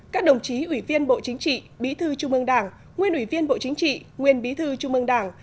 các đồng chí ủy viên bộ chính trị bí thư trung ương đảng nguyên ủy viên bộ chính trị nguyên bí thư trung ương đảng